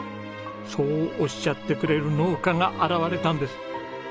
そうおっしゃってくれる農家が現れたんです。